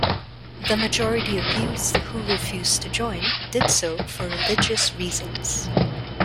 The majority of youths who refused to join did so for religious reasons.